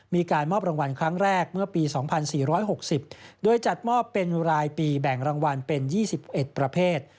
มีการมอบรางวัลครั้งแรกเมื่อปี๒๔๖๐โดยจัดมอบเป็นรายปีแบ่งรางวัลเป็น๒๑ประเภท